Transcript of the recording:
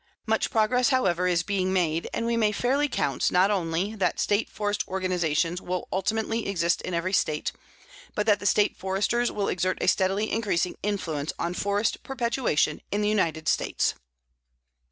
Much progress, however, is being made, and we may fairly count not only that State forest organizations will ultimately exist in every State, but that the State Foresters will exert a steadily increasing influence on forest perpetuation in the United States.